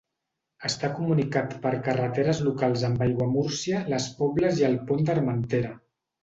Està comunicat per carreteres locals amb Aiguamúrcia, les Pobles i el Pont d'Armentera.